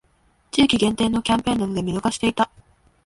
地域限定のキャンペーンなので見逃していた